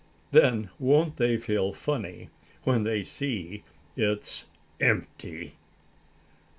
Then won't they feel funny when they see it's empty!"